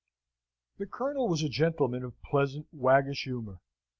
The Colonel was a gentleman of pleasant, waggish humour.